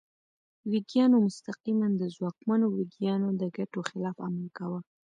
ویګیانو مستقیماً د ځواکمنو ویګیانو د ګټو خلاف عمل کاوه.